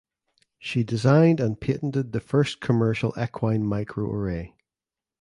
She designed and patented the first commercial equine microarray.